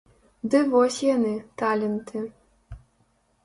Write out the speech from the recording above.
Ды вось яны, таленты!